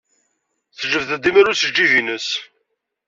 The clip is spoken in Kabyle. Tejbed-d imru seg ljib-nnes.